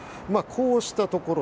こうしたところ。